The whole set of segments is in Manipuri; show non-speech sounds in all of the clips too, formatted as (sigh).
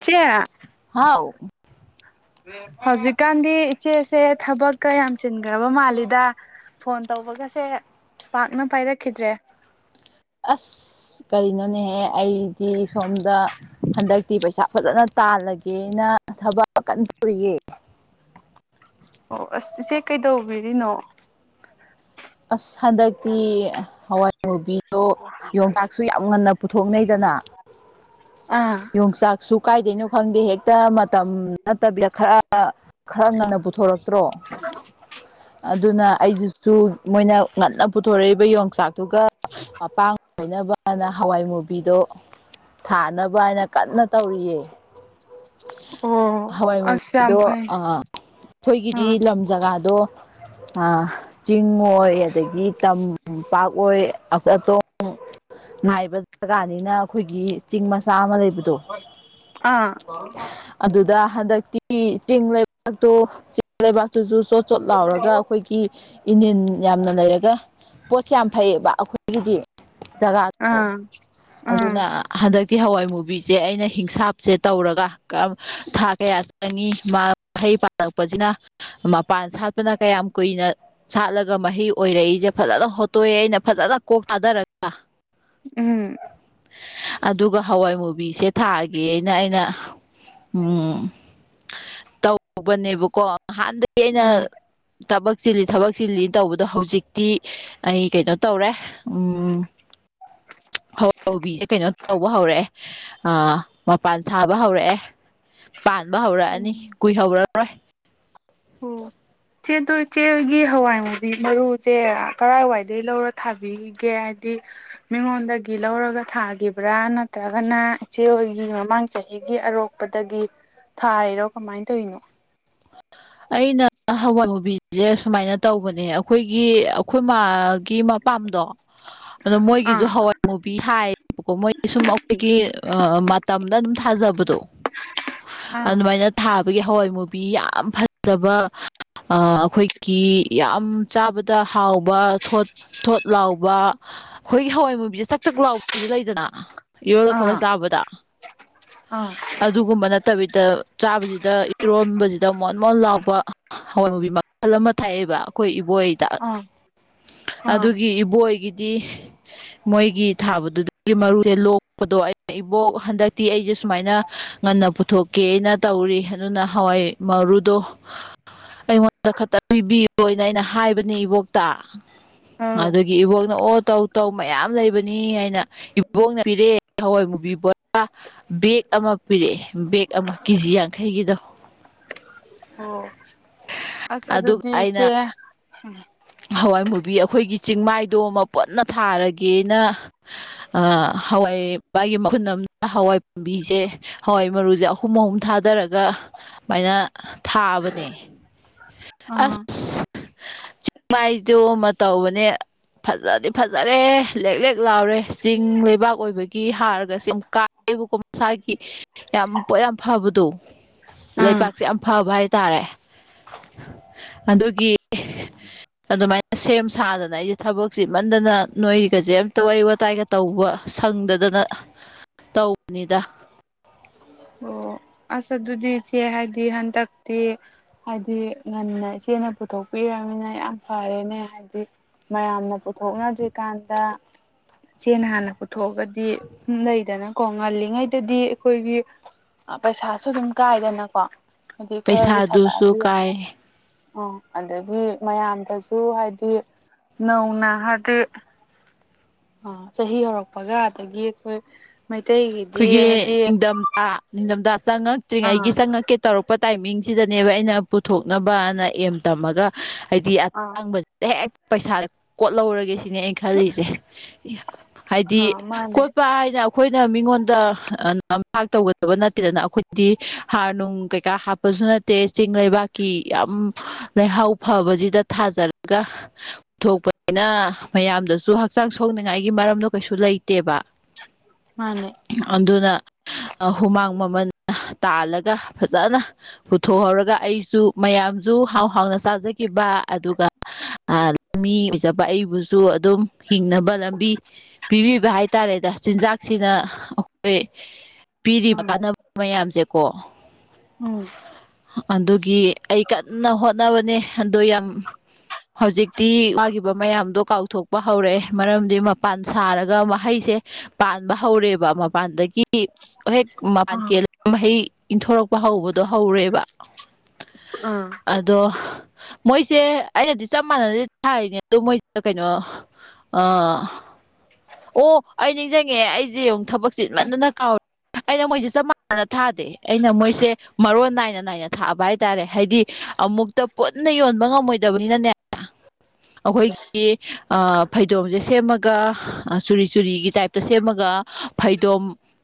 ꯆꯦ ꯍꯥꯎ (inaudible) ꯍꯧꯖꯤꯛꯀꯥꯟꯗꯤ ꯏꯆꯦꯁꯦ ꯊꯕꯛꯀ ꯌꯥꯝ ꯆꯤꯟꯈ꯭ꯔꯕ ꯃꯥꯜꯂꯤꯗ ꯐꯣꯟ ꯇꯧꯕꯒꯁꯦ ꯄꯥꯛꯅ ꯄꯥꯏꯔꯛꯈꯤꯗ꯭ꯔꯦ ꯑꯁ ꯀꯔꯤꯅꯣꯅꯦꯍꯦ ꯑꯩꯗꯤ ꯁꯣꯝꯗ ꯍꯟꯗꯛꯇꯤ ꯄꯩꯁꯥ ꯐꯖꯅ ꯇꯥꯜꯂꯒꯦꯅ ꯊꯕꯛ ꯑꯀꯟ ꯇꯧꯔꯤꯌꯦ ꯑꯣ ꯑꯁ ꯏꯆꯦ ꯀꯩꯗꯧꯕꯤꯔꯤꯅꯣ ꯑꯁ ꯍꯟꯗꯛꯇꯤ ꯍꯋꯥꯏꯃꯨꯕꯤꯗꯣ ꯌꯣꯡꯆꯥꯛꯁꯨ ꯌꯥꯝ ꯉꯟꯅ ꯄꯨꯊꯣꯛꯅꯩꯗꯅ ꯑ ꯌꯣꯡꯆꯥꯛꯁꯨ ꯀꯥꯏꯗꯩꯅꯣ ꯈꯪꯗꯦ ꯍꯦꯛ ꯃꯇꯝ ꯅꯠꯇꯕꯤꯗ ꯈꯔ ꯈꯔ ꯉꯟꯅ ꯄꯨꯊꯣꯔꯛꯇ꯭ꯔꯣ ꯑꯗꯨꯅ ꯑꯩꯗꯨꯁꯨ ꯃꯣꯏꯅ ꯉꯟꯅ ꯄꯨꯊꯣꯔꯛꯏꯕ ꯌꯣꯡꯆꯥꯛꯇꯨꯒ ꯃꯄꯥꯡ ꯑꯣꯏꯅꯅꯕꯅ ꯍꯋꯥꯏ ꯃꯨꯕꯤꯗꯣ ꯊꯥꯅꯕ ꯍꯥꯏꯅ ꯀꯟꯅ ꯇꯧꯔꯤꯌꯦ ꯑꯣ ꯑꯁ ꯌꯥꯝ ꯍꯋꯥꯏꯃꯨꯕꯤꯗꯣ ꯐꯩ ꯑ ꯑꯥ ꯑꯩꯈꯣꯏꯒꯤꯗꯤ ꯂꯝ ꯖꯒꯥꯗꯣ ꯆꯤꯡ ꯑꯣꯏ ꯑꯗꯒꯤ ꯇꯝꯄꯥꯛ ꯑꯣꯏ ꯉꯥꯏꯕ ꯖꯒꯥꯅꯤꯅ ꯑꯩꯈꯣꯏꯒꯤ ꯆꯤꯡ ꯃꯆꯥ ꯑꯃ ꯂꯩꯕꯗꯣ ꯑꯥ ꯑꯗꯨꯗ ꯍꯟꯗꯛꯇꯤ ꯇꯤꯡ ꯂꯩꯕꯥꯛꯇꯣ ꯆꯤꯡ ꯂꯩꯕꯥꯛꯇꯨꯁꯨ ꯆꯣꯠ ꯆꯣꯠ ꯂꯥꯎꯔꯒ ꯑꯩꯈꯣꯏꯒꯤ ꯏꯅꯤꯟ ꯌꯥꯝꯅ ꯂꯩꯔꯒ ꯄꯣꯠꯁꯦ ꯌꯥꯝ ꯐꯩꯌꯦꯕ ꯑꯩꯈꯣꯏꯒꯤꯗꯤ ꯑꯥ ꯖꯒꯥꯗꯣ ꯑꯥ ꯑꯗꯨꯅ ꯍꯟꯗꯛꯇꯤ ꯍꯋꯥꯏ ꯃꯨꯕꯤꯁꯦ ꯑꯩꯅ ꯍꯤꯡꯁꯥꯞꯁꯦ ꯇꯧꯔꯒ ꯊ ꯀꯌꯥ ꯆꯪꯉꯤ ꯃꯥ ꯍꯩ ꯄꯥꯜꯂꯛꯄꯁꯤꯅ ꯃꯄꯥꯟ ꯁꯥꯠꯄꯅ ꯀꯌꯥꯝ ꯀꯨꯏꯅ ꯁꯥꯠꯂꯒ ꯑꯗꯨꯒ ꯃꯍꯩ ꯑꯣꯏꯔꯛꯏꯁꯦ ꯐꯖꯅ ꯍꯣꯠꯇꯣꯛꯑꯦ ꯑꯩꯅ ꯐꯖꯅ ꯀꯣꯛ ꯊꯥꯗꯔꯒ ꯎꯝ ꯑꯗꯨꯒ ꯍꯋꯥꯏ ꯃꯨꯕꯤꯁꯦ ꯊꯥꯒꯦꯅ ꯑꯩꯅ ꯎꯝ ꯇꯧꯕꯅꯦꯕꯀꯣ ꯉꯍꯥꯟꯗꯩ ꯑꯩꯅ ꯎꯝ ꯊꯕꯛ ꯆꯤꯜꯂꯤ ꯊꯕꯛ ꯆꯤꯜꯂꯤ ꯇꯧꯕꯗꯣ ꯍꯧꯖꯤꯛꯇꯤ ꯑꯩ ꯀꯩꯅꯣ ꯇꯧꯔꯦ ꯎꯝ ꯍ ꯍꯥꯎꯕꯤꯁꯦ ꯀꯩꯅꯣ ꯇꯧꯕ ꯍꯧꯔꯛꯑꯦ ꯑ ꯃꯄꯥꯟ ꯁꯥꯕ ꯍꯧꯔꯛꯑꯦ ꯄꯥꯟꯕ ꯍꯧꯔꯛꯑꯅꯤ ꯎꯝ ꯀꯨꯏꯍꯧꯔꯔꯣꯏ (inaudible) ꯆꯦ ꯅꯣꯏ ꯏꯆꯦꯒꯤ ꯍꯋꯥꯏ ꯃꯨꯕꯤ ꯃꯔꯨꯁꯦ ꯀꯔꯥꯏꯋꯥꯏꯗꯒꯤ ꯂꯧꯔ ꯊꯥꯕꯤꯔꯤ ꯒꯦ ꯍꯥꯏꯗꯤ ꯃꯤꯉꯣꯟꯗꯒꯤ ꯂꯧꯔꯒ ꯊꯥꯈꯤꯕ꯭ꯔꯥ ꯅꯠꯇ꯭ꯔꯒꯅ ꯏꯆꯦ ꯍꯣꯏꯒꯤ ꯃꯃꯥꯡ ꯆꯍꯤꯒꯤ ꯑꯔꯣꯛ ꯄꯗꯒꯤ ꯊꯥꯔꯤꯔꯣ ꯀꯃꯥꯏꯅ ꯇꯧꯔꯤꯅꯣ ꯑꯩꯅ ꯍꯋꯥꯏ ꯃꯨꯕꯤꯁꯦ ꯁꯨꯃꯥꯏꯅ ꯇꯧꯕꯅꯦ ꯑꯩꯈꯣꯏꯒꯤ ꯑꯩꯈꯣꯏ ꯃꯥ ꯒꯤ ꯃꯄꯥꯝꯗꯣ ꯑꯗ ꯃꯣꯏꯒꯤꯁꯨ ꯑꯥ ꯍꯋꯥꯏ ꯃꯨꯚ ꯍꯥꯏꯌꯦꯕꯀꯣ ꯃꯣꯏ ꯁꯨꯝ ꯑꯩꯈꯣꯏꯒꯤ ꯃꯇꯝꯗ ꯑꯗꯨꯝ ꯊꯥꯖꯕꯗꯣ ꯑꯥ ꯑꯗꯨꯃꯥꯏꯅ ꯊꯥꯕꯒꯤ ꯍꯋꯥꯏ ꯃꯨꯕꯤ ꯌꯥꯝ ꯐꯖ ꯐꯖꯕ ꯑꯩꯈꯣꯏꯒꯤ ꯌꯥꯝ ꯆꯥꯕ ꯇ ꯍꯥꯎꯕ ꯊꯣꯠ ꯊꯣꯠ ꯂꯥꯎꯕ ꯑꯩꯈꯣꯏꯒꯤ ꯍꯋꯥꯏ ꯃꯨꯕꯤꯁꯦ ꯆꯥꯛ ꯂꯥꯎꯕꯁꯨ ꯂꯩꯗꯅ ꯏꯔꯣꯜꯂ ꯈꯣꯠꯂ ꯑꯥ ꯆꯥꯕꯗ ꯑꯥ ꯑꯗꯨꯒꯨꯝꯕ ꯅꯠ ꯐꯠꯇꯕꯤꯗ ꯆꯥꯕꯁꯤꯗ ꯏꯔꯣꯟꯕꯁꯤꯗ ꯑꯃꯨꯛ ꯃꯣꯟ ꯂꯥꯛꯄ ꯍꯋꯥꯏ ꯃꯨꯕꯤ ꯃꯈꯜ ꯑꯃ ꯊꯥꯛꯑꯦꯕ ꯑꯩꯈꯣꯏ ꯏꯕꯣꯏ ꯇꯥ ꯑꯥ ꯑꯥ ꯑꯗꯨꯒꯤ ꯏꯕꯣꯏꯒꯤꯗꯤ ꯃꯣꯏꯒꯤ ꯊꯥꯕꯗꯨꯗꯒꯤ ꯃꯔꯨꯁꯦ ꯂꯣꯛꯄꯗꯣ ꯑꯩꯅ ꯏꯕꯣꯛ ꯍꯟꯗꯛꯇꯤ ꯑꯩꯁꯦ ꯁꯨꯃꯥꯏꯅ ꯉꯟꯅ ꯄꯨꯊꯣꯛꯀꯦꯅ ꯇꯧꯔꯤ ꯑꯗꯨꯅ ꯍꯋꯥꯏ ꯃꯔꯨ ꯑꯗꯣ ꯑꯩꯉꯣꯟꯗ ꯈꯠꯇ ꯄꯤꯕꯤꯌꯣꯅ ꯑꯩꯅ ꯍꯥꯏꯕꯅꯤ ꯏꯕꯣꯛ ꯑꯥ ꯑꯗꯨꯒꯤ ꯏꯕꯣꯛꯅ ꯑꯣ ꯇꯧ ꯇꯧ ꯃꯌꯥꯝ ꯂꯩꯕꯅꯤ ꯍꯥꯏꯅ ꯏꯕꯣꯛꯅ ꯄꯤꯔꯑꯦ ꯍꯋꯥꯏ ꯃꯨꯕꯤ ꯕꯦꯒ ꯑꯃ ꯄꯤꯔꯛꯑꯦ ꯕꯦꯒ ꯑꯃ ꯀꯦꯖꯤ ꯌꯥꯡꯈꯩꯒꯤꯗꯣ ꯑꯣ ꯑꯁ ꯑꯗꯨꯒ ꯑꯗꯨꯗꯤ ꯏꯆꯦ ꯑꯩꯅ ꯍꯋꯥꯏ ꯃꯨꯕꯤ ꯑꯩꯈꯣꯏꯒꯤ ꯆꯤꯡꯃꯥꯏꯗꯣ ꯑꯃ ꯄꯨꯟꯅ ꯊꯥꯔꯒꯦꯅ ꯑꯥ ꯍꯋꯥꯏꯄꯥꯒꯤ ꯃꯍꯨꯟ ꯑꯃꯅ ꯍꯋꯥꯏ ꯄꯥꯝꯕꯤꯁꯦ ꯍꯋꯥꯏ ꯃꯔꯨꯁꯦ ꯑꯍꯨꯝ ꯑꯍꯨꯝ ꯊꯥꯗꯔꯒ ꯁꯨꯃꯥꯏꯅ ꯊꯥꯕꯅꯦ ꯑꯥ ꯑꯁ ꯃꯥꯏꯗꯣ ꯑꯃ ꯇꯧꯕꯅꯦ ꯐꯖꯗꯤ ꯐꯖꯔꯦ ꯂꯦꯛ ꯂꯦꯛ ꯂꯥꯎꯔꯦ ꯆꯤꯡ ꯂꯩꯕꯥꯛ ꯑꯣꯏꯕꯒꯤ ꯍꯥꯔꯒꯁ‌ꯦ ꯀꯥ ꯑꯩꯕꯨꯀꯣ ꯃꯁꯥꯒꯤ ꯌꯥꯝ ꯄꯣꯠ ꯌꯥꯝ ꯐꯕꯗꯣ ꯑꯥ ꯂꯩꯕꯥꯛꯁꯦ ꯌꯥꯝ ꯐꯕ ꯍꯥꯏꯇꯥꯔꯦ ꯑꯗꯨꯒꯤ ꯑꯗꯨꯃꯥꯏꯅ ꯁꯦꯝ ꯁꯥꯗꯅ ꯑꯩꯁꯦ ꯊꯕꯛ ꯆꯤꯟꯃꯟꯗꯅ ꯅꯣꯏꯒꯁꯦ ꯑꯝꯇꯒ ꯋꯥꯔꯤ ꯋꯥꯇꯥꯏꯒ ꯇꯧꯕ ꯁꯪꯗꯗꯅ ꯇꯧꯕꯅꯤꯗ ꯑꯣ ꯑꯁ ꯑꯗꯨꯗꯤ ꯏꯆꯦ ꯍꯥꯏꯗꯤ ꯍꯟꯗꯛꯇꯤ ꯍꯥꯏꯗꯤ ꯉꯟꯅ ꯏꯆꯦꯅ ꯄꯨꯊꯣꯛꯄꯤꯔꯝꯃꯤꯅ ꯌꯥꯝ ꯐꯔꯦꯅꯦ ꯍꯥꯏꯗꯤ ꯃꯌꯥꯝꯅ ꯄꯨꯊꯣꯛꯅꯗ꯭ꯔꯤꯀꯥꯟꯗ ꯏꯆꯦꯅ ꯍꯥꯟꯅ ꯄꯨꯊꯣꯛꯑꯒꯗꯤ ꯎ ꯂꯩꯗꯅꯀꯣ ꯉꯜꯂꯤꯉꯩꯗꯗꯤ ꯑꯩꯈꯣꯏꯒꯤ ꯄꯩꯁꯥꯁꯨ ꯑꯗꯨꯝ ꯀꯥꯏꯗꯅꯀꯣ ꯍꯥꯏꯗꯤ ꯈꯔ ꯄꯩꯁꯥꯗꯨꯁꯨ ꯂꯤꯁꯜꯂꯛꯑꯗꯤ ꯑꯃꯨꯛ ꯀꯥꯏ ꯑꯣ ꯑꯗꯒꯤ ꯃꯌꯥꯝꯗꯁꯨ ꯍꯥꯏꯗꯤ ꯅꯧꯅ ꯍꯥꯏꯗꯤ ꯑ ꯆꯍꯤ ꯍꯧꯔꯛꯄꯒ ꯑꯗꯒꯤ ꯑꯩꯈꯣꯏ ꯃꯩꯇꯩꯒꯤꯗꯤ ꯍꯥꯏꯗꯤ ꯑꯥ ꯅꯤꯡꯊꯝꯊꯥ ꯆꯪꯉꯛꯇ꯭ꯔꯤꯉꯩꯒꯤ ꯑꯥ ꯆꯪꯉꯛꯀꯦ ꯇꯧꯔꯛꯄ ꯇꯥꯏꯃꯤꯡꯁꯤꯗꯅꯦꯕ ꯑꯩꯅ ꯄꯨꯊꯣꯛꯅꯕꯅ ꯑꯦꯝ ꯇꯝꯃꯒ ꯍꯥꯏꯗꯤ ꯑꯥ ꯑꯇꯥꯡꯕꯁꯦ ꯍꯦꯛ ꯄꯩꯁꯥ ꯀꯣꯠꯍꯧꯔꯒꯦ ꯁꯤꯅꯦ ꯑꯩ ꯈꯜꯂꯤꯁꯦ ꯍꯥꯏꯗꯤ ꯑꯥ ꯃꯥꯅꯦ ꯀ‌ꯣꯠꯄ ꯍꯥꯏꯅ ꯑꯩꯈꯣꯏꯅ ꯃꯤꯉꯣꯟ ꯗ ꯅꯝꯊꯥꯛ ꯇꯧꯒꯗꯕ ꯅꯠꯇꯦꯗꯅ ꯑꯩꯈꯣꯏꯗꯤ ꯍꯥꯔ ꯅꯨꯡ ꯀꯩꯀꯥ ꯍꯥꯞꯄꯁꯨ ꯅꯠꯇꯦ ꯆꯤꯡ ꯂꯩꯕꯥꯛ ꯀꯤ ꯌꯥꯝ ꯂꯩꯩꯍꯥꯎ ꯐꯕꯁꯤꯗ ꯊꯥꯖꯔꯒ ꯄꯨꯊꯣꯛꯄꯅꯤꯅ ꯃꯌꯥꯝꯗꯁꯨ ꯍꯛꯆꯥꯡ ꯁꯣꯛꯅꯤꯡꯉꯥꯏꯒꯤ ꯃꯔꯝꯗꯣ ꯀꯩꯁꯨ ꯂꯩꯇꯦꯕ ꯃꯥꯅꯦ ꯑꯗꯨꯅ ꯍꯨꯃꯥꯡ ꯃꯃꯜ ꯇꯥꯜꯂꯒ ꯐꯖꯅ ꯄꯨꯊꯣꯛꯍꯧꯔꯒ ꯑꯩꯁꯨ ꯃꯌꯥꯝꯁꯨ ꯍꯥꯎ ꯍꯥꯎꯅ ꯆꯥꯖꯈꯤꯕ ꯑꯗꯨꯒ ꯑꯥ ꯃꯤ ꯑꯣꯏꯖꯕ ꯑꯩꯕꯨꯁꯨ ꯑꯗꯨꯝ ꯍꯤꯡꯅꯕ ꯂꯝꯕꯤ ꯄꯤꯕꯤꯕ ꯍꯥꯏꯇꯥꯔꯦꯗ ꯆꯤꯟꯖꯥꯛꯁꯤꯅ ꯑꯩꯈꯣꯏ ꯄꯤꯔꯤꯕ ꯀꯥꯟꯅꯕ ꯃꯌꯥꯝꯁꯦꯀꯣ ꯎꯝ ꯑꯗꯨꯒꯤ ꯑꯩ ꯀꯟꯅ ꯍꯣꯠꯅꯕꯅꯦ ꯑꯗꯣ ꯌꯥꯝ ꯍꯧꯖꯤꯛꯇꯤ ꯋꯥꯥꯈꯤꯕ ꯃꯌꯥꯝꯗꯣ ꯀꯥꯎꯊꯣꯛꯄ ꯍꯧꯔꯛꯑꯦ ꯃꯔꯝꯗꯤ ꯃꯄꯥꯟ ꯁꯥꯔꯒ ꯃꯍꯩꯁꯦ ꯄꯥꯟꯕ ꯍꯧꯔꯦꯕ ꯃꯄꯥꯟꯗꯒꯤ ꯍꯦꯛ ꯃꯄꯥꯟ ꯑꯥ ꯀꯦꯜ ꯃꯍꯩ ꯏꯟꯊꯣꯔꯛꯄ ꯍꯧꯕꯗꯣ ꯍꯧꯔꯦꯕ ꯑꯥ ꯑꯗꯣ ꯃꯣꯏꯁꯦ ꯑꯩꯅꯗꯤ ꯆꯞ ꯃꯥꯟꯅꯗꯤ ꯊꯥꯏꯅꯦ ꯑꯗꯨ ꯃꯣꯏꯁꯤꯅ ꯀꯩꯅꯣ ꯑ ꯑꯣ ꯑꯩ ꯅꯤꯡꯖꯪꯉꯛꯑꯦ ꯑꯩꯖꯦ ꯑꯃꯨꯛ ꯊꯕꯛ ꯆꯤꯟ ꯃꯟꯗꯅ ꯀꯥꯎꯔꯤ ꯑꯩꯅ ꯃꯣꯏꯖꯦ ꯆꯞ ꯃꯥꯟꯅꯅ ꯊꯥꯗꯦ ꯑꯩꯅ ꯃꯣꯏꯁꯦ ꯃꯔꯣꯟ ꯅꯥꯏꯅ ꯅꯥꯏꯅ ꯊꯥꯕ ꯍꯥꯏꯇꯥꯔꯦ ꯍꯥꯏꯗꯤ ꯑꯃꯨꯛꯇ ꯄꯨꯟꯅ ꯌꯣꯟꯕ ꯉꯝꯃꯣꯏꯗꯕꯅꯤꯅꯅꯦ ꯑꯩꯈꯣꯏꯒꯤ ꯑ ꯐꯩꯗꯣꯝꯖꯦ ꯁꯦꯝꯃꯒ ꯆꯨꯔꯤ ꯆꯨꯔꯤꯒꯤ ꯇꯥꯏꯞꯇ ꯁꯦꯝꯃꯒ ꯐꯩꯗꯣꯝ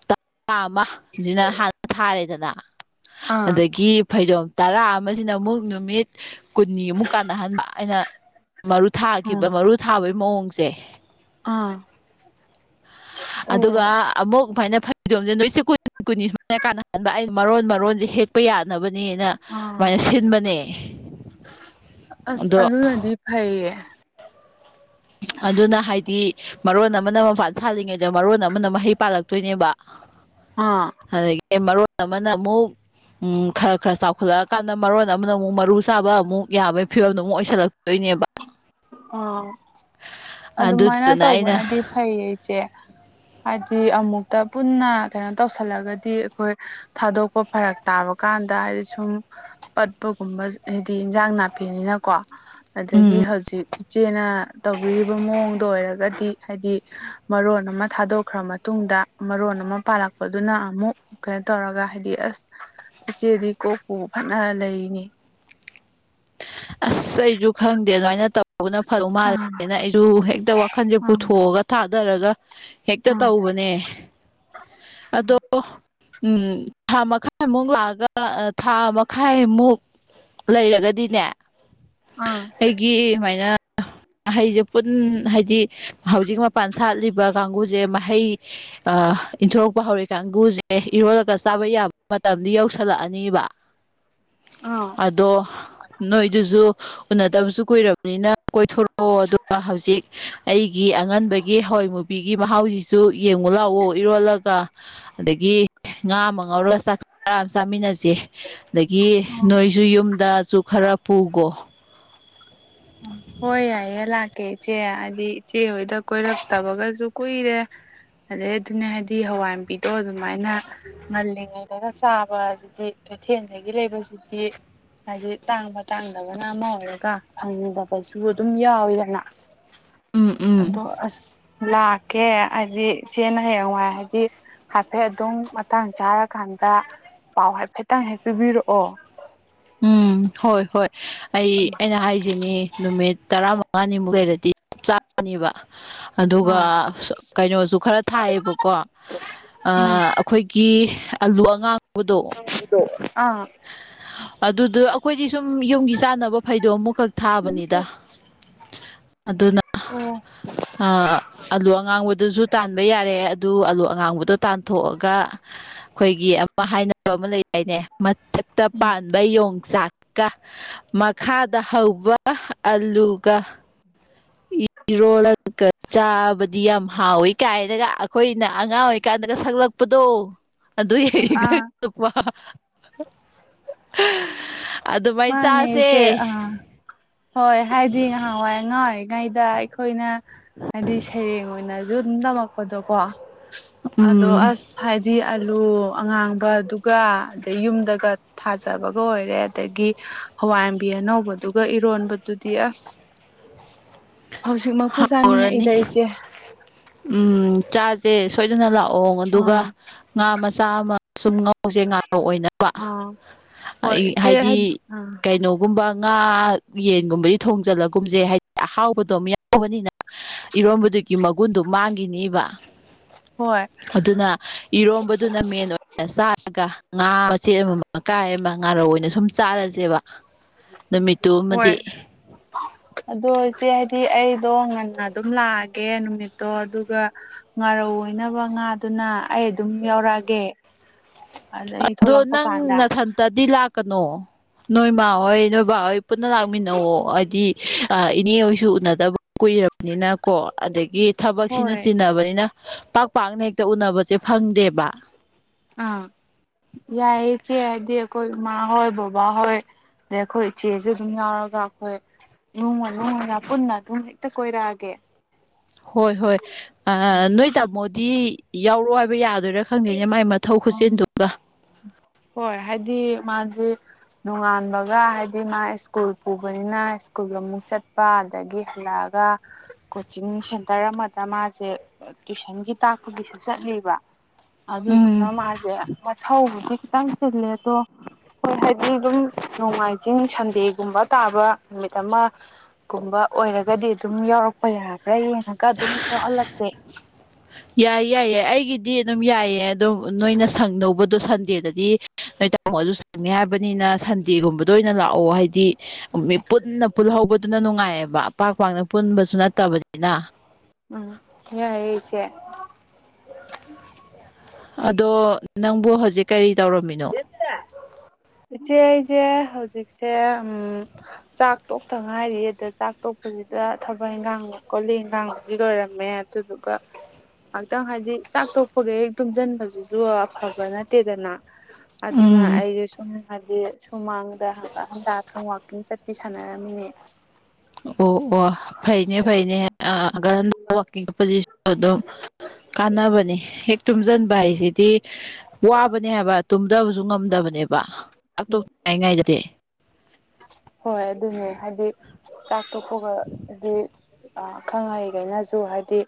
ꯇꯔꯥ ꯑꯃ ꯖꯤꯗ ꯍꯥꯟꯅ ꯊꯥꯔꯦꯗꯅ ꯑꯥ ꯑꯗꯒꯤ ꯐꯩꯖꯣꯝ ꯇꯔꯥ ꯑꯃꯖꯤꯅ ꯑꯃꯨꯛ ꯅꯨꯃꯤꯠ ꯀꯨꯟꯅꯤꯃꯨꯛ ꯀꯥꯟꯅꯍꯟꯕ ꯑꯩꯅ ꯃꯔꯨ ꯊꯥꯈꯤꯕ ꯃꯔꯨ ꯊꯥꯕꯒꯤ ꯃꯑꯣꯡꯁꯦ ꯑꯥ ꯑꯗꯨꯒ ꯑꯃꯨꯛ ꯁꯨꯃꯥꯏꯅ ꯐꯩꯗꯣꯝꯁꯦ ꯅꯣꯏꯁꯦ ꯀꯨ ꯀꯨꯟꯅꯤ ꯁꯨꯃꯥꯏꯅ ꯀꯥꯟꯅꯍꯟꯕ ꯑꯩ ꯃꯔꯣꯟ ꯃꯔꯣꯟꯁꯦ ꯍꯦꯛꯄ ꯌꯥꯅꯕꯅꯦꯅ ꯑꯥ ꯑꯗꯨꯨꯃꯥꯏꯅ ꯁꯤꯟꯕꯅꯦ ꯑꯁ ꯑꯗꯣ ꯑꯗꯨꯅꯗꯤ ꯐꯩꯌꯦ ꯑꯗꯨꯅ ꯍꯥꯏꯗꯤ ꯃꯔꯣꯟ ꯑꯃꯅ ꯃꯄꯥꯟ ꯁꯥꯠꯂꯤꯉꯩꯗ ꯃꯔꯣꯟ ꯑꯃꯅ ꯃꯍꯩ ꯄꯥꯜꯂꯛꯇꯣꯏꯅꯦꯕ ꯑꯥ ꯑꯗꯒꯤ ꯃꯔꯣꯟ ꯑꯃꯅ ꯑꯃꯨꯛ ꯎꯝ ꯈꯔ ꯈꯔ ꯆꯥꯎꯈꯠꯂꯛꯑꯀꯥꯟꯗ ꯃꯔꯣꯟ ꯑꯃꯅ ꯑꯃꯨꯛ ꯃꯔꯨ ꯆꯥꯕ ꯑꯃꯨꯛ ꯌꯥꯕꯒꯤ ꯐꯤꯕꯝꯗꯣ ꯑꯃꯨꯛ ꯑꯣꯏꯁꯜꯂꯛꯇꯣꯏꯅꯦꯕ ꯑ ꯑꯗꯨꯃꯥꯏꯅ ꯑꯗꯨꯗꯨꯅ ꯑꯩꯅ ꯇꯧꯕꯅꯗꯤ ꯐꯩꯌꯦ ꯏꯆꯦ ꯍꯥꯏꯗꯤ ꯑꯃꯨꯛꯇ ꯄꯨꯟꯅ ꯀꯩꯅꯣ ꯇꯧꯁꯜꯂꯒꯗꯤ ꯑꯩꯈꯣꯏ ꯊꯥꯗꯣꯛꯄ ꯐꯔꯛ ꯇꯥꯕ ꯀꯥꯟꯗ ꯍꯥꯏꯗꯤ ꯁꯨꯝ ꯄꯠꯄꯒꯨꯝꯕ ꯑꯩꯗꯤ ꯏꯟꯖꯥꯡ ꯅꯥꯄꯤꯅꯤꯅꯀꯣ ꯑꯗꯒꯤ ꯎꯝ ꯍꯧꯖꯤꯛ ꯏꯆꯦꯅ ꯇꯧꯕꯤꯔꯤꯕ ꯃꯑꯣꯡꯗ ꯑꯣꯏꯔꯒꯗꯤ ꯍꯥꯏꯗꯤ ꯃꯔꯣꯟ ꯑꯃ ꯊꯥꯗꯣꯛꯈ꯭ꯔ ꯃ ꯃꯇꯨꯡꯗ ꯃꯔꯣꯟ ꯑꯃ ꯄꯥꯜꯂꯛꯄꯗꯨꯅ ꯑꯃꯨꯛ ꯀꯩꯅꯣ ꯇꯧꯔꯒ ꯍꯥꯏꯗꯤ ꯑꯁ ꯏꯆꯦꯗꯤ ꯀꯣꯛꯄꯨ ꯐꯅ ꯂꯩꯅꯦ ꯑꯁ ꯑꯩꯖꯨ ꯈꯪꯗꯦ ꯑꯗꯨꯃꯥꯏꯅ ꯇꯧ ꯕꯅ ꯐꯗꯧ ꯑꯥ ꯃꯥꯜꯂꯦꯅ ꯑꯩꯁꯨ ꯍꯦꯛꯇ ꯋꯥꯈꯜꯖꯦ ꯑꯥ ꯄꯨꯊꯣꯛꯑꯒ ꯊꯥꯗꯔꯒ ꯍꯦꯛꯇ ꯑꯥ ꯇꯧꯕꯅꯦ ꯑꯗꯣ ꯎꯝ ꯊꯥ ꯃꯈꯥꯏꯃꯨꯛ ꯂꯥꯛꯑꯒ ꯊꯥ ꯃꯈꯥꯏꯃꯨꯛ ꯂꯩꯔꯒꯗꯤꯅꯦ ꯑꯥ ꯑꯩꯒꯤ ꯁꯨꯃꯥꯏꯅ ꯑꯍꯩꯖꯦ ꯄꯨꯟ ꯍꯥꯏꯗꯤ ꯍꯧꯖꯤꯛꯃꯛ ꯃꯄꯥꯟꯁꯥꯠꯂꯤꯕ ꯀꯥꯡꯒꯨꯖꯦ ꯃꯍꯩ ꯑ ꯏꯟꯊꯣꯔꯛꯄ ꯍꯧꯔꯤ ꯀꯥꯡꯒꯨꯖꯦ ꯏꯔꯣꯜꯂꯒ ꯆꯥꯕ ꯌꯥꯕ ꯃꯇꯝꯗꯤ ꯌꯧꯁꯜꯂꯛꯑꯅꯤꯕ (inaudible) (unintelligible) ꯑꯥ ꯑꯗꯣ ꯅꯣꯏꯗꯨꯖꯨ ꯎꯅꯗꯕꯁꯨ ꯀꯨꯏꯔꯕꯅꯤꯅ ꯀꯣꯏꯊꯣꯔꯛ ꯑꯣ ꯑꯗꯨꯒ ꯍꯧꯖꯤꯛ ꯑꯩꯒꯤ ꯑꯉꯟꯕꯒꯤ ꯍꯋꯥꯏ ꯃꯨꯕꯤꯒꯤ ꯃꯍꯥꯎꯖꯤꯁꯨ ꯌꯦꯡꯉꯨ ꯂꯥꯎꯑꯣ ꯏꯔꯣꯜꯂꯒ ꯑꯗꯒꯤ ꯉꯥ ꯑꯃ ꯉꯧꯔ ꯆꯥꯛ ꯆꯔꯥ ꯑꯃ ꯆꯥꯃꯤꯟꯅꯁꯦ ꯑꯗꯒꯤ ꯅꯣꯏꯁꯨ ꯌꯨꯝꯗꯖꯨ ꯈꯔ ꯄꯨꯒꫭ ꯎꯝ ꯍꯣꯏ ꯌꯥꯏꯌꯦ ꯂꯥꯛꯀꯦ ꯏꯆꯦ ꯍꯥꯏꯗꯤ ꯏꯆꯦ ꯍꯣꯏꯗ ꯀꯣꯏꯔꯛꯇꯕꯒꯖꯨ ꯀꯨꯏꯔꯦ ꯑꯗꯩ ꯑꯗꯨꯅꯦ ꯍꯥꯏꯗꯤ ꯍꯋꯥꯏꯃꯨꯕꯤꯗꯣ ꯑꯗꯨꯃꯥꯏꯅ ꯉꯜꯂꯤꯉꯩꯗꯒ ꯆꯥꯕ ꯑꯗꯨꯗꯤ ꯀꯩꯊꯦꯜꯗꯒꯤ ꯂꯩꯕꯁꯤꯗꯤ ꯍꯥꯏꯗꯤ ꯇꯥꯡꯕ ꯇꯥꯡꯗꯕꯅ ꯑꯃ ꯑꯣꯏꯔꯒ ꯐꯪꯗꯕꯁꯨ ꯑꯗꯨꯝ ꯌꯥꯎꯋꯤꯗꯅ ꯎꯝ ꯎꯝ ꯑꯗꯣ ꯑꯁ ꯂꯥꯛꯀꯦ ꯑꯩꯗꯤ ꯏꯆꯦꯅ ꯍꯌꯦꯡꯋꯥꯏ ꯍꯥꯏꯗꯤ ꯍꯥꯏꯐꯦꯠ ꯑꯗꯨꯝ ꯃꯇꯥꯡ ꯆꯥꯔꯀꯥꯟꯗ ꯄꯥꯎ ꯍꯥꯏꯐꯦꯠꯇꯪ ꯍꯦꯛꯇ ꯄꯤꯕꯤꯔꯛꯑꯣ ꯎꯝ ꯍꯣꯏ ꯍꯣꯏ ꯑꯩ ꯑꯩꯅ ꯍꯥꯏꯖꯤꯅꯤ ꯅꯨꯃꯤꯠ ꯇꯔꯥ ꯃꯪꯉꯥꯅꯤꯃꯨꯛꯂꯩꯔꯗꯤ ꯆꯥꯅꯤꯕ ꯑꯗꯨꯒ ꯑꯥ ꯀꯩꯅꯣꯁꯨ ꯈꯔ ꯊꯥꯏꯌꯦꯕꯀꯣ ꯎꯝ ꯈꯣꯏꯀꯤ ꯑꯂꯨ ꯑꯉꯥꯡꯕꯗꯣ ꯗꯣ ꯑꯥ ꯑꯗꯨꯗꯨ ꯑꯩꯈꯣꯏꯗꯤ ꯁꯨꯝ ꯌꯨꯝꯒꯤ ꯆꯥꯟꯅꯕ ꯐꯩꯗꯣꯝꯃꯨꯛꯈꯛ ꯊꯥꯕꯅꯤꯗ ꯑꯗꯨꯅ ꯎꯝ ꯑꯥ ꯑꯂꯨ ꯑꯉꯥꯡꯕꯗꯨꯁꯨ ꯇꯥꯟꯕ ꯌꯥꯔꯦ ꯑꯗꯨ ꯑꯂꯨ ꯑꯉꯥꯡꯕꯗꯣ ꯇꯥꯟꯊꯣꯛꯑꯒ ꯑꯩꯈꯣꯏꯒꯤ ꯑꯃ ꯍꯥꯏꯅꯕ ꯑꯃ ꯂꯩ ꯗꯥꯏꯅꯦ ꯃꯊꯛꯇ ꯎꯝ ꯄꯥꯟꯕ ꯌꯣꯡꯆꯥꯛ ꯀ ꯃꯈꯥꯗ ꯍꯧꯕ ꯑꯂꯨꯒ ꯏꯔꯣꯜꯂꯒ ꯆꯥꯕꯗꯤ ꯌꯥꯝ ꯍꯥꯎꯋꯤ ꯀꯥꯏꯅꯒ ꯑꯩꯈꯣꯏꯅ ꯑꯉꯥꯡ ꯑꯣꯏꯔꯤꯀꯥꯟꯗꯒ ꯐꯛꯂꯛ ꯄꯗꯣ ꯑꯗꯨꯏ ꯑꯥ (unintelligible) ꯑꯗꯨꯃꯥꯏ ꯃꯥꯅꯦ ꯆꯥꯁꯦ ꯏꯆꯦ ꯑꯥ ꯍꯣꯏ ꯍꯥꯏꯗꯤ ꯅꯍꯋꯥꯏ ꯑꯉꯥꯡ ꯑꯣꯏ ꯉꯩꯗ ꯑꯩꯈꯣꯏꯅ ꯍꯥꯏꯗꯤ ꯁꯩꯔꯦꯡ ꯑꯣꯏꯅꯖꯨ ꯑꯗꯨꯝ ꯇꯝꯃꯛꯄꯗꯣ ꯀꯣ ꯑꯗꯣ ꯎꯝ ꯑꯁ ꯍꯥꯏꯗꯤ ꯑꯂꯨ ꯑꯉꯥꯡꯕꯗꯨꯒ ꯑꯗꯩ ꯌꯨꯝꯗꯒ ꯊꯥꯖꯕꯒ ꯑꯣꯏꯔꯦ ꯑꯗꯒꯤ ꯍꯋꯥꯃꯨꯕꯤ ꯑꯅꯧꯕꯗꯨꯒ ꯏꯔꯣꯟꯕꯗꯨꯗꯤ ꯑꯁ ꯍꯧꯖꯤꯛꯃꯛꯄꯨ ꯍꯥꯎꯔꯅꯤ ꯆꯥꯅꯤꯡꯉꯛꯏꯗ ꯏꯆꯦ ꯎꯝ ꯆꯥꯁꯦ ꯁꯣꯏꯗꯅ ꯂꯥꯛꯑꯣ ꯑꯥ ꯑꯗꯨꯒ ꯉꯥ ꯃꯆꯥ ꯑꯃ ꯁꯨꯝ ꯉꯧꯁꯦ ꯉꯥꯂꯩ ꯑꯣꯏꯅꯕ ꯑꯥ ꯍꯣꯏ ꯑꯩ ꯏꯆꯦ ꯍꯥꯏꯗꯤ ꯑꯥ ꯀꯩꯅꯣ ꯨꯒꯨꯝꯕ ꯉꯥ ꯌꯦꯟꯒꯨꯝꯕꯗꯤ ꯊꯣꯡꯖꯤꯜꯂꯒꯨꯝꯁꯦ ꯍꯥꯏꯗꯤ ꯑꯍꯥꯎꯕꯗꯣ ꯃꯌꯥꯝ ꯇꯧꯕꯅꯤꯅ ꯏꯔꯣꯝꯕꯗꯨꯒꯤ ꯃꯒꯨꯟꯗꯨ ꯃꯥꯡꯒꯤꯅꯤꯕ ꯍꯣꯏ ꯑꯗꯨꯅ ꯏꯔꯣꯝꯕꯗꯨꯅ ꯃꯦꯟ ꯑꯣꯏ ꯆꯥꯔꯒ ꯉꯥ ꯃꯆꯦꯠ ꯑꯃꯃꯝ ꯃꯀꯥꯏ ꯑꯃ ꯉꯥꯔꯧ ꯑꯣꯏꯅ ꯁꯨꯝ ꯆꯥꯔꯁꯦꯕ ꯍꯣꯏ ꯅꯨꯃꯤꯠꯇꯨꯃꯗꯤ ꯑꯗꯣ ꯏꯆꯦ ꯍꯥꯏꯗꯤ ꯑꯩꯗꯣ ꯉꯟꯅ ꯑꯗꯨꯝ ꯂꯥꯛꯑꯒꯦ ꯅꯨꯃꯤꯠꯇꯣ ꯑꯗꯨꯒ ꯉꯥꯔꯧ ꯑꯣꯏꯅꯕ ꯉꯥꯗꯨꯅ ꯑꯩ ꯑꯗꯨꯝ ꯌꯥꯎꯔꯛꯑꯒꯦ ꯑꯗ ꯑꯩ ꯊꯣꯛꯂꯛꯄ ꯀꯥꯟꯗ ꯗꯤ ꯂꯥꯛꯀꯅꯣ ꯅꯣꯏꯃꯥꯍꯣꯏ ꯅꯣꯏꯕꯥꯍꯣꯏ ꯄꯨꯟꯅ ꯂꯥꯛꯃꯤꯟꯅꯑꯣ ꯑꯥꯏꯗꯤ ꯑꯥ ꯏꯅꯦ ꯍꯣꯏꯁꯨ ꯎꯅꯗꯕ ꯀꯨꯏꯔꯕꯅꯤꯅ ꯀꯣ ꯑꯗꯒꯤ ꯊꯕꯛꯁꯤꯅ ꯍꯣꯏ ꯆꯤꯟꯅꯕꯅꯤꯅ ꯄꯥꯛ ꯄꯥꯛꯅ ꯍꯦꯛꯇ ꯎꯅꯕꯁꯦ ꯐꯪꯗꯦꯕ ꯑꯥ ꯌꯥꯏꯌꯦ ꯆꯦ ꯍꯥꯏꯗꯤ ꯑꯩꯈꯣꯏ ꯏꯃꯥ ꯍꯣꯏ ꯕꯕꯥ ꯍꯣꯏ ꯗꯩ ꯑꯩꯈꯣꯏ ꯏꯆꯦꯖꯨ ꯑꯗꯨꯝ ꯌꯥꯎꯔꯒ ꯈꯣꯏ ꯅꯣꯡꯃ ꯢꯃꯨꯡ ꯄꯨꯟꯅ ꯑꯗꯨꯝ ꯍꯦꯛꯇ ꯀꯣꯏꯔꯛꯑꯒꯦ ꯍꯣꯏ ꯍꯣꯏ ꯅꯣꯏ ꯇꯥꯃꯣꯗꯤ ꯌꯥꯎꯔꯣ ꯍꯥꯏꯕ ꯌꯥꯗꯣꯏꯔꯥ ꯈꯪꯗꯦꯅꯦ ꯃꯥꯏ ꯃꯊꯧ ꯎ (inaudible) (inaudible) ꯍꯣꯏ ꯍꯥꯏꯗꯤ ꯃꯥꯁꯦ ꯅꯣꯡꯉꯥꯟꯕꯒ ꯍꯥꯏꯗꯤ ꯃꯥ ꯁ꯭ꯀꯨꯜ ꯄꯨꯕꯅꯤꯅ ꯁ꯭ꯀꯨꯜꯒ ꯑꯃꯨꯛ ꯆꯠꯄ ꯑꯗꯒꯤ ꯍꯥꯂꯥꯛ ꯍꯂꯥꯛꯑꯒ ꯀꯣꯆꯤꯡ ꯁꯦꯟꯇꯔ ꯑꯃꯗ ꯃꯥꯁꯦ ꯇꯨꯏꯁꯟꯒꯤ ꯇꯥꯛꯄꯒꯤꯁꯨ ꯆꯠꯂꯦꯕ ꯎꯝ ꯑꯗꯨꯗꯨꯅ ꯃꯥꯁꯦ ꯃꯊꯧꯕꯨꯗꯤ ꯈꯤꯇꯪ ꯆꯤꯜꯂꯦꯕꯨ ꯍꯣꯏ ꯍꯥꯏꯗꯤ ꯗꯨꯝ ꯅꯣꯡꯃꯥꯏꯖꯤꯡ ꯁꯟꯗꯦꯒꯨꯝꯕ ꯇꯥꯕ ꯅꯨꯃꯤꯠ ꯑꯃ ꯀꯨꯨꯝꯕ ꯑꯣꯏꯔꯒꯗꯤ ꯑꯗꯨꯝ ꯌꯥꯎꯔꯛꯄ ꯌꯥꯕ꯭ꯔꯥ ꯌꯦꯡꯉꯒ ꯑꯗꯨꯝ ꯌꯥꯎꯍꯜꯂꯛꯀꯦ ꯌꯥꯏ ꯌꯥꯏ ꯌꯥꯏ ꯑꯩꯒꯤꯗꯤ ꯑꯗꯨꯝ ꯌꯥꯏꯌꯦ ꯑꯗꯨꯝ ꯅꯣꯏꯅ ꯁꯪꯗꯧꯗꯣ ꯁꯟꯗꯦꯗꯗꯤ ꯅꯣꯏ ꯇꯥꯃꯣ ꯁꯪꯅꯤ ꯍꯥꯏꯕꯅꯤꯅ ꯁꯟꯗꯦꯒꯨꯝꯕꯗ ꯑꯣꯏꯅ ꯂꯥꯛꯑꯣ ꯍꯥꯏꯗꯤ ꯃꯤ ꯄꯨꯟꯅ ꯄꯨꯜꯍꯧꯕꯗꯨꯅ ꯅꯨꯡꯉꯥꯏꯌꯦꯕ ꯄꯥꯛ ꯄꯥꯛꯅ ꯄꯨꯟꯕꯁꯨ ꯅꯠꯇꯕꯅꯤꯅ ꯎꯝ ꯌꯥꯢꯌꯦ ꯢꯆꯦ ꯑꯗꯣ ꯅꯪꯕꯨ ꯍꯧꯖꯤꯛ ꯀꯔꯤ ꯇꯧꯔꯝꯃꯤꯅꯣ ꯏꯆꯦ ꯑꯩꯁꯦ ꯍꯧꯖꯤꯛꯁꯦ ꯎꯝ ꯆꯥꯛ ꯇꯣꯛꯇ ꯉꯥꯏꯔꯤ ꯑꯗ ꯆꯥꯛ ꯇꯣꯛꯄꯁꯤꯗ ꯊꯕꯛ ꯏꯟꯈꯥꯡ ꯀꯣꯂꯤ ꯏꯟꯒꯥꯥꯡꯒꯤ ꯂ ꯑꯣꯏꯔꯝꯃꯦ ꯑꯗꯨꯗꯨꯒ ꯉꯥꯏꯍꯥꯛꯇꯪ ꯍꯥꯏꯗꯤ ꯆꯥꯛ ꯇꯣꯛꯄꯒ ꯍꯦꯛ ꯇꯨꯝꯁꯤꯟꯕꯁꯤꯁꯨ ꯑꯐꯕ ꯅꯠꯇꯦꯗꯅ ꯑꯗꯨ ꯑꯗꯨꯅ ꯎꯝ ꯑꯩꯒꯤ ꯁ ꯍꯥꯏꯗꯤ ꯁꯨꯃꯥꯡꯗ ꯍꯟꯇꯥ ꯁꯨꯝ ꯋꯥꯋꯥꯛꯀꯤꯡ ꯆꯠꯄꯤ ꯁꯥꯟꯅꯔꯝꯃꯤꯅꯦ ꯑꯣ ꯑꯣ ꯐꯩꯅꯦ ꯐꯩꯅꯦꯟꯡꯁ ꯑꯗꯨꯝ ꯀꯥꯟꯅꯕꯅꯤ ꯍꯦꯛ ꯇꯨꯝꯁꯤꯟꯕ ꯍꯥꯏꯁꯤꯗꯤ ꯋꯥꯕꯅꯦ ꯍꯥꯏꯕ ꯇꯨꯝꯗꯕꯁꯨ ꯉꯝꯗꯕꯅꯦꯕ ꯇꯥꯛ ꯎꯝ ꯇꯣꯛꯞꯇꯉꯥꯏꯉꯥꯏꯗꯗꯤ ꯍꯣꯏ ꯑꯗꯨꯅꯦ ꯍꯥꯏꯗꯤ ꯆꯥꯛꯊꯣꯛꯄꯒ ꯍꯥꯏꯗꯤ ꯈꯪ ꯍꯩꯔꯦꯅꯁꯨ ꯍꯥꯏꯗꯤ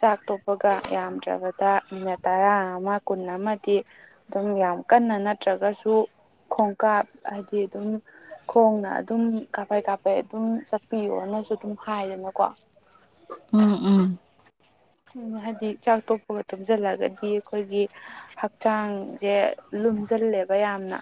ꯆꯥꯛ ꯇꯣꯛꯄꯒ ꯌꯥꯝꯗ꯭ꯔꯕꯗ ꯃꯤꯅꯠ ꯇꯔꯥ ꯑꯃ ꯀꯨꯟ ꯑꯃꯗꯤ ꯑꯗꯨꯝ ꯌꯥꯝ ꯀꯟꯅ ꯅꯠꯇ꯭ꯔꯒꯁꯨ ꯈꯣꯡꯀꯥꯞ ꯍꯥꯏꯗꯤ ꯑꯗꯨꯝ ꯈꯣꯡꯅ ꯑꯗꯨꯝ ꯀꯥꯞꯄꯩ ꯀꯥꯞꯄꯩ ꯑꯗꯨꯝ ꯆꯠꯄꯤꯌꯣꯅꯁꯨ ꯑꯗꯨꯝ ꯍꯥꯏꯗꯅꯀꯣ ꯎꯝ ꯎꯝ ꯎꯝ ꯍꯥꯏꯗꯤ ꯆꯥꯛ ꯇꯣꯛꯄꯒ ꯇꯨꯝꯁꯤꯜꯂꯒꯗꯤ ꯑꯩꯈꯣꯏꯒꯤ ꯍꯛꯆꯥꯡꯁꯦ ꯂꯨꯝꯁꯤꯜꯂꯦꯕ ꯌꯥꯝꯅ